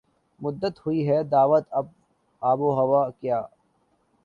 مدت ہوئی ہے دعوت آب و ہوا کیے